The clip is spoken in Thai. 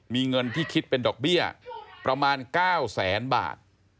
มีเงินที่คิดเป็นดอกเบี้ยประมาณ๙แสนบาท